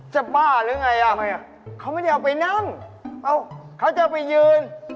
จะบ้าหรือไงอ้าวเหมือนกันอ้าวเขาจะไปยืน